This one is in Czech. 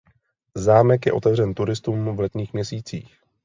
Zámek je otevřen turistům v letních měsících.